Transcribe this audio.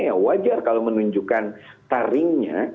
ya wajar kalau menunjukkan taringnya